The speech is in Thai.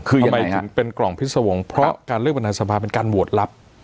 คือยังไงถึงเป็นกล่องพิษวงศ์เพราะการเลือกประธานสภาเป็นการโหวตลับ